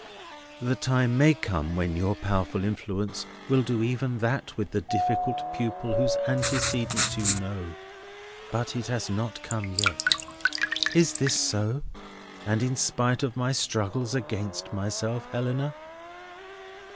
The time may come when your powerful influence will do even that with the difficult pupil whose antecedents you know; but it has not come yet. Is this so, and in spite of my struggles against myself, Helena?"